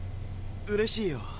うれしいよ。